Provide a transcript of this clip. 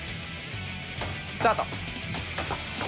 スタート！